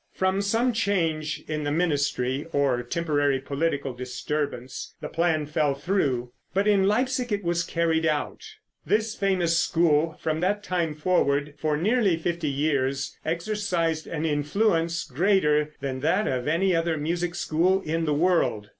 From some change in the ministry, or temporary political disturbance, the plan fell through, but in Leipsic it was carried out. This famous school from that time forward, for nearly fifty years, exercised an influence greater than that of any other music school in the world.